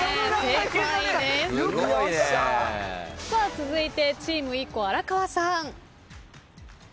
続いてチームＩＫＫＯ荒川さん。